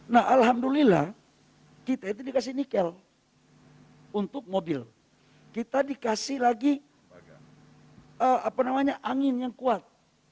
nah alhamdulillah kita itu dikasih nikel untuk mobil kita dikasih lagi angin yang kuat